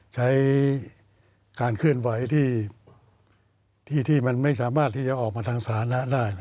ใช้การขึ้นไว้ที่ที่มันไม่สามารถที่จะออกมาทางศาลนะได้